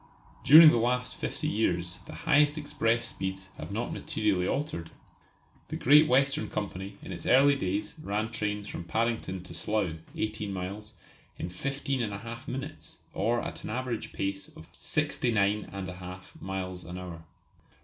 During the last fifty years the highest express speeds have not materially altered. The Great Western Company in its early days ran trains from Paddington to Slough, 18 miles, in 15 1/2 minutes, or at an average pace of 69 1/2 miles an hour.